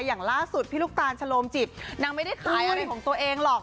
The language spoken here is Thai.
อย่างล่าสุดพี่ลูกตาลชะโลมจิบนางไม่ได้ขายอะไรของตัวเองหรอก